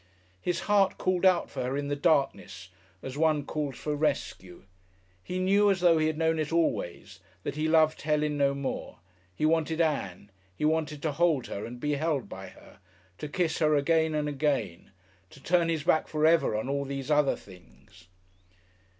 His heart called out for her in the darkness as one calls for rescue. He knew, as though he had known it always, that he loved Helen no more. He wanted Ann, he wanted to hold her and be held by her, to kiss her again and again, to turn his back forever on all these other things....